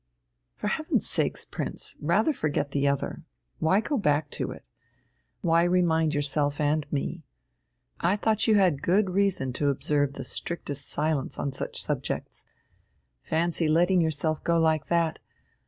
"For heaven's sake, Prince, rather forget the other. Why go back to it? Why remind yourself and me? I thought you had good reason to observe the strictest silence on such subjects. Fancy letting yourself go like that!